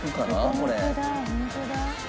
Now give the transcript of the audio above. これ。